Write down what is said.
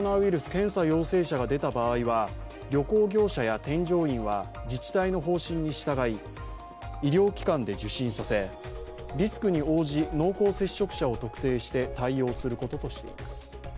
検査陽性者が出た場合は旅行業者や添乗員は自治体の方針にそって医療機関で受診させ、リスクに応じ濃厚接触者を特定して対応することとしています。